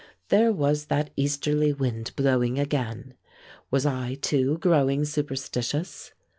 There was that easterly wind blowing again; was I, too, growing superstitious?